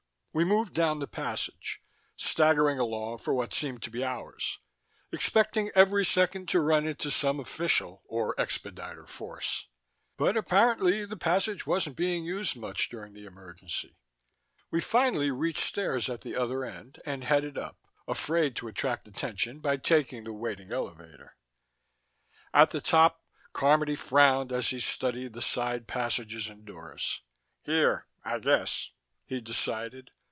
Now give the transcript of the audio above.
We moved down the passage, staggering along for what seemed to be hours, expecting every second to run into some official or expediter force. But apparently the passage wasn't being used much during the emergency. We finally reached stairs at the other end and headed up, afraid to attract attention by taking the waiting elevator. At the top, Carmody frowned as he studied the side passages and doors. "Here, I guess," he decided.